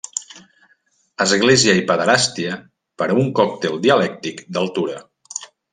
Església i pederàstia per a un còctel dialèctic d'altura.